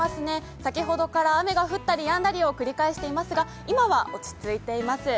先ほどから雨が降ったりやんだりを繰り返していますが今は落ち着いています。